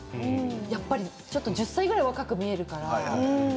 １０歳ぐらい若く見えるから。